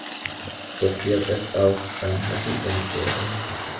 Doch wird es auch ein Happy End geben?